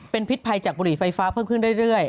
เป็นพิษภัยจากบุหรี่ไฟฟ้าเพิ่มขึ้นเรื่อย